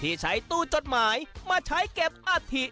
ที่ใช้ตู้จดหมายมาใช้เก็บอาถิ